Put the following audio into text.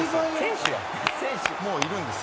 もういるんです。